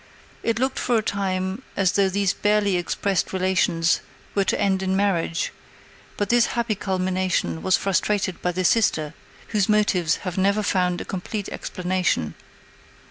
It looked for a time as though these barely expressed relations were to end in marriage, but this happy culmination was frustrated by the sister, whose motives have never found a complete explanation.